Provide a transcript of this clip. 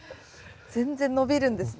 全然伸びるんですね。